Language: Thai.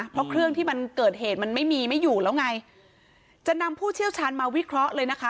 เพราะเครื่องที่มันเกิดเหตุมันไม่มีไม่อยู่แล้วไงจะนำผู้เชี่ยวชาญมาวิเคราะห์เลยนะคะ